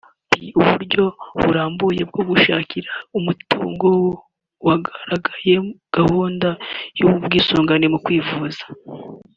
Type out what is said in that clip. b) Uburyo burambye bwo gushakira umutungo wunganira gahunda y’ubwisungane mu kwivuza